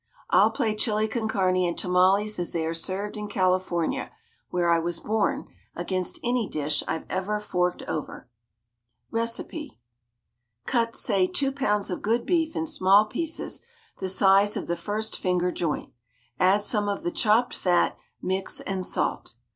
I'll play Chili con Carne and tamales as they are served in California (where I was born) against any dish I've ever forked over. Kecipe Cut, say, two pounds of good beef in small pieces the size of the first finger joint. Add some of the chopped fat, mix and salt.